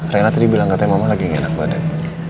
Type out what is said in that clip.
rena tadi bilang katanya mama lagi enak badan